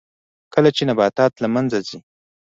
کله چې نباتات له منځه ځي